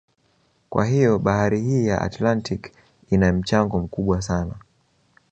Kwa hiyo bahari hii ya Atlantiki ina mchango mkubwa sana